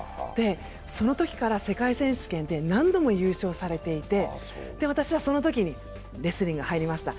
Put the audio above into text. そのときから世界選手権で何度も優勝されていて、私はそのときにレスリングに入りました。